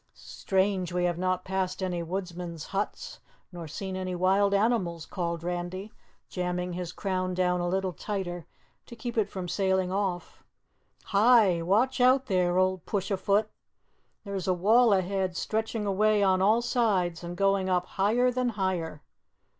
"Strange we have not passed any woodsmen's huts, nor seen any wild animals," called Randy, jamming his crown down a little tighter to keep it from sailing off. "Hi! Watch out, there old Push a Foot! There's a wall ahead stretching away on all sides and going up higher than higher.